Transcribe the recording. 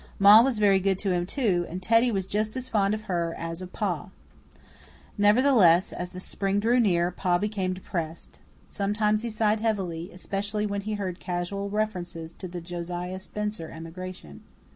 Ma was very good to him, too, and Teddy was just as fond of her as of Pa. Nevertheless, as the spring drew near, Pa became depressed. Sometimes he sighed heavily, especially when he heard casual references to the Josiah Spencer emigration.